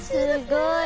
すごい。